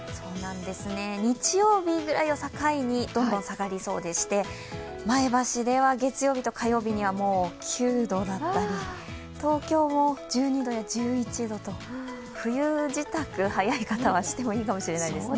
日曜日ぐらいを境にどんどん下がりそうでして前橋では月曜日と火曜日には９度だったり東京も１２度や１１度と、冬支度、早い方はしてもいいかもしれませんね。